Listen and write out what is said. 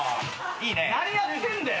何やってんだよ！